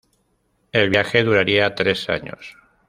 El viaje duraría tres años.